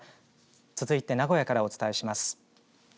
続いて名古屋からお伝えします。